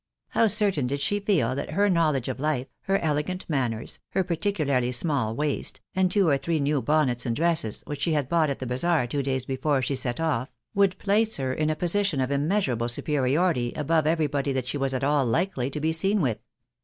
How certain did she feel that her knowledge of Hfe, her elegant manners, her particularly smaU waist, and two or three new bonnets and dresses which she had bought at the bazaar two days before she set off, would place her in a position of immeasurable superiority above everybody that she was at all likely to be seen with